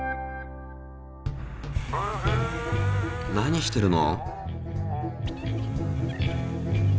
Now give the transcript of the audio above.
何してるの？